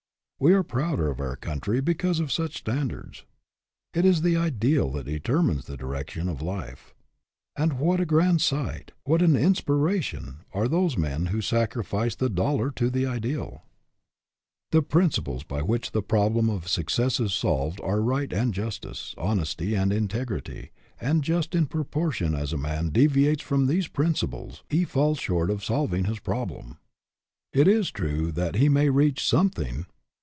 We are prouder of our country because of such standards. It is the ideal that determines the direction of the life. And what a grand sight, what an in spiration, are those men who sacrifice the dollar to the ideal ! The principles by which the problem of suc cess is solved are right and justice, honesty and integrity ; and just in proportion as a man deviates from these principles he falls short of solving his problem. It is true that he may reach something.